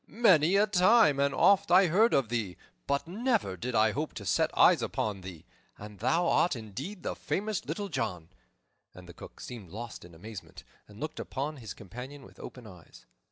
Many a time and oft I heard of thee, but never did I hope to set eyes upon thee. And thou art indeed the famous Little John!" And the Cook seemed lost in amazement, and looked upon his companion with open eyes.